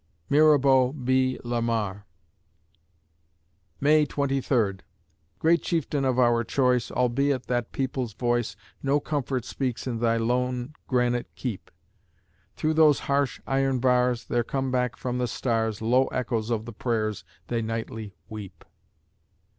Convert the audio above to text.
MIRABEAU B. LAMAR May Twenty Third Great Chieftain of our choice, Albeit that people's voice No comfort speaks in thy lone granite keep; Through those harsh iron bars There come back from the stars Low echoes of the prayers they nightly weep.